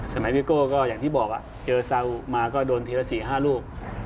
พี่โก้ก็อย่างที่บอกเจอเซามาก็โดนทีละ๔๕ลูก